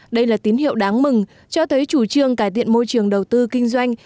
đây là tín hiệu đáng mừng cho thấy chủ trương cải thiện môi trường đầu tư kinh doanh